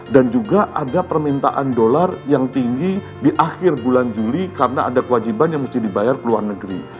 dan juga ada permintaan dolar yang tinggi di akhir bulan juli karena ada kewajiban yang mesti dibayar ke luar negeri